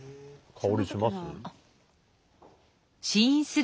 香りします？